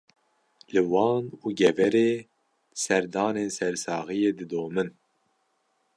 Li Wan û Geverê, serdanên sersaxiyê didomin